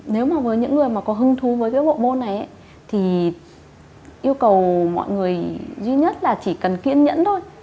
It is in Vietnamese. nếu mà với những người mà có hứng thú với cái bộ môn này thì yêu cầu mọi người duy nhất là chỉ cần kiên nhẫn thôi